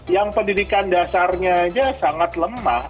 yang pendidikan dasarnya aja sangat lemah